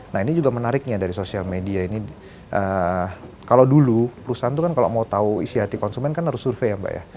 nah ini juga menariknya dari sosial media ini kalo dulu perusahaan kalau mau tau isi hati konsumen kan harus survei ya mbak